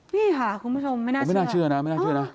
นี่ค่ะคุณผู้ชมไม่น่าเชื่อนะ